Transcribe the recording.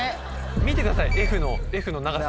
見てくださいＦの長さ。